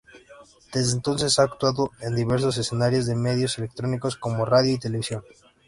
Desde entonces ha actuado en diversos escenarios de Medios Electrónicos como Radio y Televisión.